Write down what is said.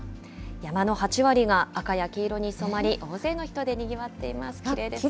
山の８割が赤や黄色に染まり、大勢の人でにぎわっています。